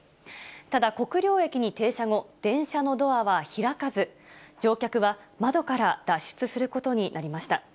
ただ、国領駅に停車後、電車のドアは開かず、乗客は窓から脱出することになりました。